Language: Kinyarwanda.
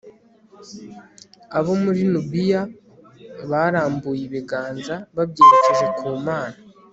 abo muri nubiya barambuye ibiganza babyerekeje ku mana